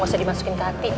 gak usah dimasukin ke hati